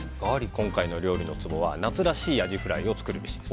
今回の料理のツボは夏らしいアジフライを作るべし。